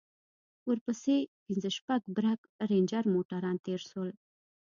ورپسې پنځه شپږ برگ رېنجر موټران تېر سول.